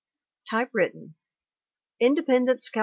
] [Typewritten] Independence, Cal.